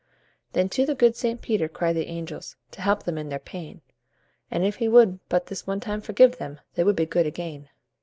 Then to the good St. Peter cried the angels To help them in their pain, And if he would but this one time forgive them, They would be good again.